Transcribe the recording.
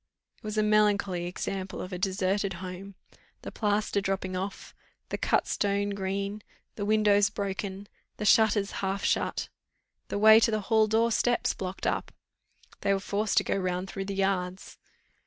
It was a melancholy example of a deserted home: the plaster dropping off, the cut stone green, the windows broken, the shutters half shut, the way to the hall door steps blocked up. They were forced to go round through the yards.